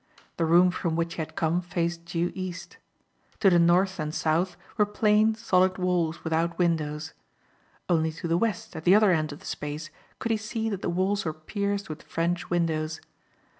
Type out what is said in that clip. The room from which he had come faced due east. To the north and south were plain solid walls without windows. Only to the West at the other end of the space could he see that the walls were pierced with French windows.